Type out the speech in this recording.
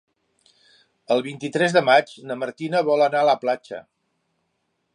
El vint-i-tres de maig na Martina vol anar a la platja.